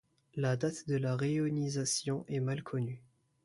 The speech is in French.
La date de la réionisation est mal connue.